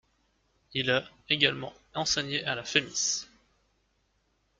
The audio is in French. Il a, également, enseigné à La Fémis.